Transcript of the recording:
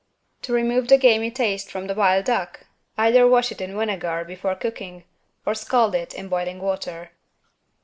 To remove the "gamey" taste from the wild duck, either wash it in vinegar before cooking or scald it in boiling water.